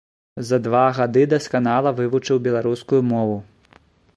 За два гады дасканала вывучыў беларускую мову.